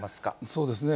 そうですね。